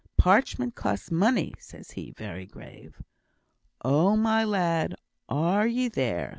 'Parchment costs money,' says he, very grave. 'Oh, oh, my lad! are ye there?'